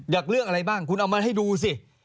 อยากเลือกอะไรบ้างคุณเอามาให้ดูซิ